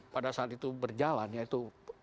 pada saat itu berjalan yaitu